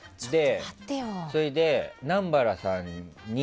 それで南原さんに